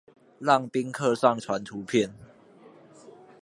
讓賓客上傳圖片